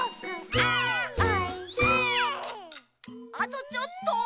あとちょっと。